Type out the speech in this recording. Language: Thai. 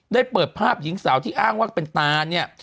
ได้เปิดภาพหญิงสาวที่อ้างว่าเป็นตาเนี่ย